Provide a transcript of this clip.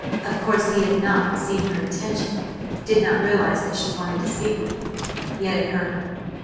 Of course he had not seen her intention, did not realize that she wanted to speak with him, yet it hurt her.